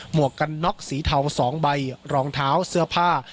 วกกันน็อกสีเทา๒ใบรองเท้าเสื้อผ้า